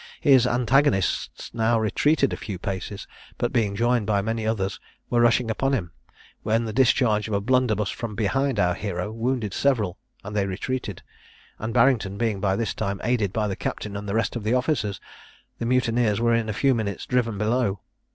His antagonists now retreated a few paces, but, being joined by many others, were rushing upon him, when the discharge of a blunderbuss from behind our hero wounded several, and they retreated; and Barrington being by this time aided by the captain and the rest of the officers, the mutineers were in a few minutes driven below.